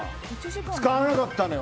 使わなかったのよ！